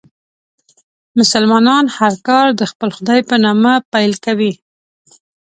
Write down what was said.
مسلمانان هر کار د خپل خدای په نامه پیل کوي.